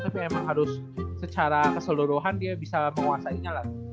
tapi emang harus secara keseluruhan dia bisa menguasainya lah